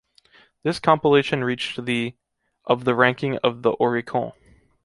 This compilation reached the(…) of the ranking of the Oricon.